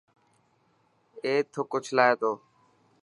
اي ٿڪ اوڇلائي تو.